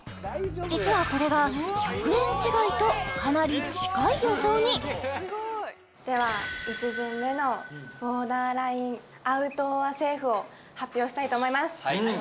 実はこれが１００円違いとかなり近い予想にでは１巡目のボーダーラインアウトｏｒセーフを発表したいと思います！